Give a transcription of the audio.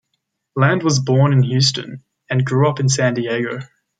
Land was born in Houston and grew up in San Diego.